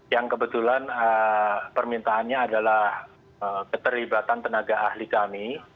yang kebetulan permintaannya adalah keterlibatan tenaga ahli kami